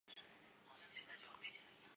与其相对的是呼气音。